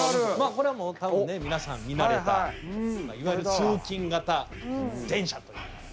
これはもうたぶんね皆さん見慣れたいわゆる通勤形電車と。